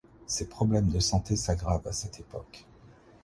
Ses problèmes de santé s'aggravent à cette époque.